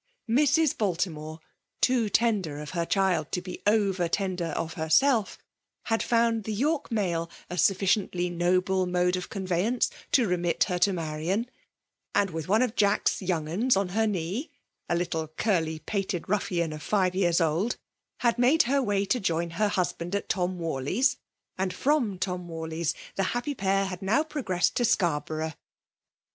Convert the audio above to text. Mrs. Baltimore, too tender of her child to be over tender of herself, had found the York mail a sufficiently noble mode of conveyance to remit her to Manairpand with one of Jack's '* young *uns * on her knee, (a little curly pated ruffian of five years old,) had made her way to join her hus band at Tom Warlcy's, andyVom Tom Warley's the happy pair had now progressed to Scar borough.